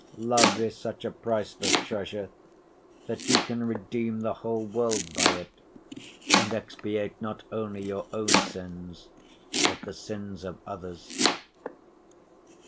Love is such a priceless treasure that you can redeem the whole world by it, and expiate not only your own sins but the sins of others."